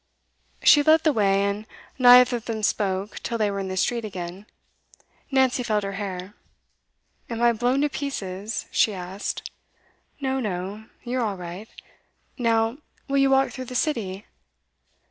She led the way, and neither of them spoke till they were in the street again. Nancy felt her hair. 'Am I blown to pieces?' she asked. 'No, no; you're all right. Now, will you walk through the City?